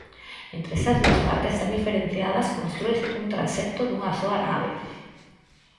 Entre estas dúas partes tan diferenciadas constrúese un transepto dunha soa nave.